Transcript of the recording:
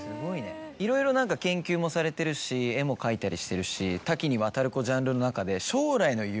いろいろ何か研究もされてるし絵も描いたりしてるし多岐にわたるジャンルの中で。